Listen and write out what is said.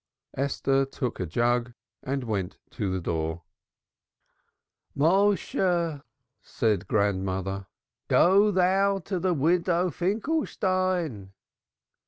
Esther took a jug and went to the door. "Méshe," said the grandmother. "Go thou to the Widow Finkelstein."